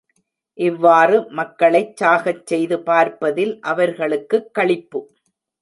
இவ்வாறு மக்களைச் சாகச் செய்து பார்ப்பதில் அவர்களுக்குக் களிப்பு.